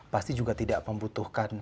pasti juga tidak membutuhkan